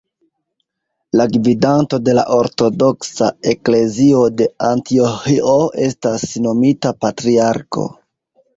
La gvidanto de la ortodoksa eklezio de Antioĥio estas nomita patriarko.